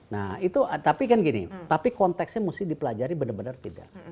nah itu tapi kan gini tapi konteksnya mesti dipelajari benar benar tidak